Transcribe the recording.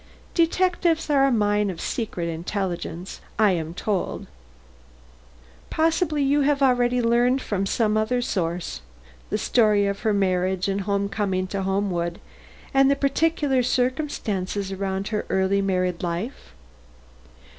Detectives are a mine of secret intelligence, I am told; possibly you have already learned from some other source the story of her marriage and homecoming to Homewood and the peculiar circumstances of her early married life?"